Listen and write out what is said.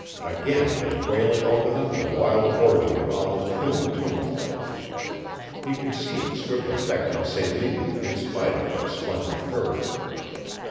Again it was wailing over them in a wild orgy of almost human tumult. He could see its swift effect on Celie in spite of her splendid courage.